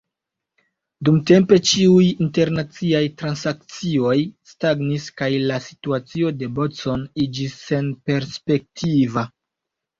Dumtempe ĉiuj internaciaj transakcioj stagnis kaj la situacio de Bodson iĝis senperspektiva.